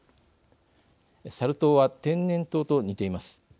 サル痘は天然痘と似ています。